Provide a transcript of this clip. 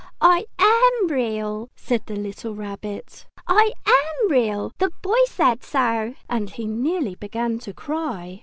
"I am Real!" said the little Rabbit. "I am Real! The Boy said so!" And he nearly began to cry.